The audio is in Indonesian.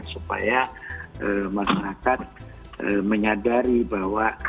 supaya masyarakat menyadari bahwa